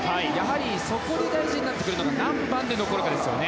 そこで大事になってくるのが何番で残るかですよね。